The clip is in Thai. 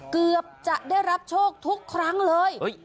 เกือบจะได้รับโชคทุกครั้งเลย